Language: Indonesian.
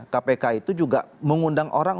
kpk itu juga mengundang orang